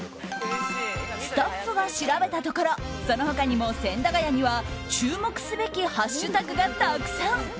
スタッフが調べたところその他にも千駄ヶ谷には注目すべきハッシュタグがたくさん。